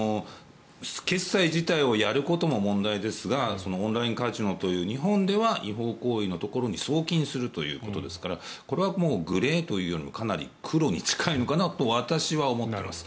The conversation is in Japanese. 決済自体をやることも問題ですがオンラインカジノという日本では違法行為のところに送金するということですからこれはグレーというよりもかなり黒に近いのかなと私は思っています。